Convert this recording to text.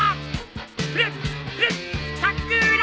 フレッフレッさくら！